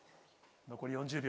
残り４０秒。